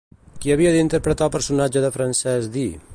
Qui havia d'interpretar el personatge de Frances Dee?